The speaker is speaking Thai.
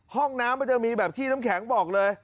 ห้องน้ำมันจะมีแบบที่น้ำแข็งบอกเลย